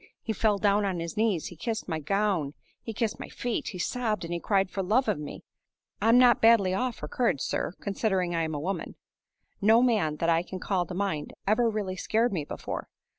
He fell down on his knees; he kissed my gown, he kissed my feet; he sobbed and cried for love of me. I'm not badly off for courage, sir, considering I'm a woman. No man, that I can call to mind, ever really scared me before.